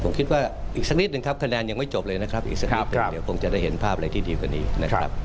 ผมคิดว่าอีกสักนิดนึงครับคะแนนยังไม่จบเลยนะครับอีกสักนิดหนึ่งเดี๋ยวคงจะได้เห็นภาพอะไรที่ดีกว่านี้นะครับ